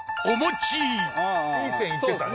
いい線いってたね。